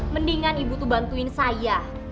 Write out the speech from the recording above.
mendingan ibu tuh bantuin saya